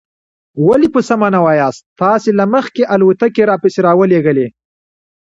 ولې په سمه نه وایاست؟ تاسې له مخکې الوتکې را پسې را ولېږلې.